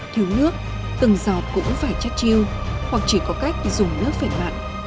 thiếu nước từng giọt cũng phải chất chiêu hoặc chỉ có cách dùng nước phải mặn